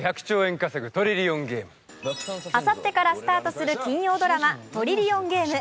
あさってからスタートする金曜ドラマ「トリリオンゲーム」。